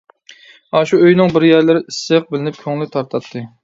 ئاشۇ ئۆينىڭ بىر يەرلىرى ئىسسىق بىلىنىپ كۆڭلى تارتاتتى.